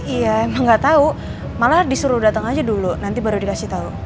iya emang gak tau malah disuruh dateng aja dulu nanti baru dikasih tau